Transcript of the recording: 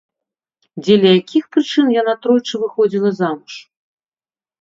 Дзеля якіх прычын яна тройчы выходзіла замуж?